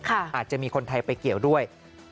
อาจจะมีคนไทยไปเกี่ยวด้วย